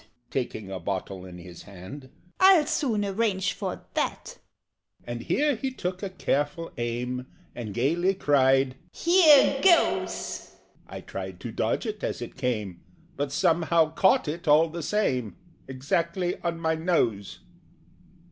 (Taking a bottle in his hand) "I'll soon arrange for that!" And here he took a careful aim, And gaily cried "Here goes!" I tried to dodge it as it came, But somehow caught it, all the same, Exactly on my nose.